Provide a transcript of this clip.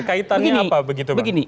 oke kaitannya apa begitu pak